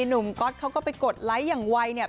ก๊อตเขาก็ไปกดไลค์อย่างไวเนี่ย